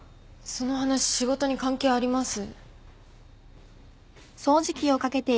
その話仕事に関係あります？